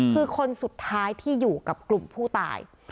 คือคนสุดท้ายที่อยู่กับกลุ่มผู้ตาย